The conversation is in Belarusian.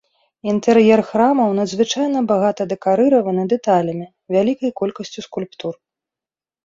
Інтэр'ер храмаў надзвычайна багата дэкарыраваны дэталямі, вялікай колькасцю скульптур.